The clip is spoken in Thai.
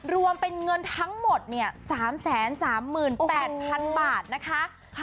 รวมเป็นเงินทั้งหมดเนี่ยสามแสนสามหมื่นแปดพันบาทนะคะค่ะ